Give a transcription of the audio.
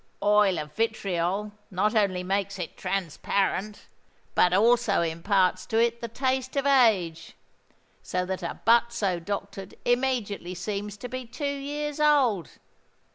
Oil of vitriol not only makes it transparent, but also imparts to it the taste of age; so that a butt so doctored immediately seems to be two years old.